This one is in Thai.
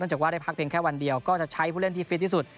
จากว่าได้พักเพียงแค่วันเดียวก็จะใช้ผู้เล่นที่ฟิตที่สุด